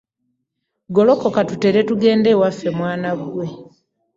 Golokoka tutere tugende ewaffe mwaana gwe.